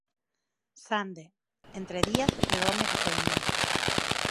Sande, entre Díaz e Gómez Reino.